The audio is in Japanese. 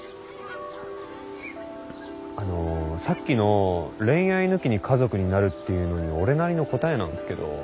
あのさっきの恋愛抜きに家族になるっていうのに俺なりの答えなんですけど。